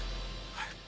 はい